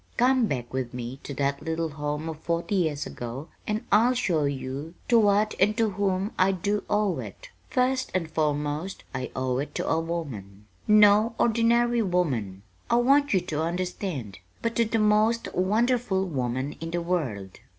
Come back with me to that little home of forty years ago and I'll show you to what and to whom I do owe it. First and foremost I owe it to a woman no ordinary woman, I want you to understand but to the most wonderful woman in the world."